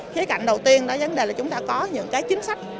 khía cạnh đầu tiên là vấn đề là chúng ta có những chính sách